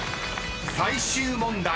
［最終問題］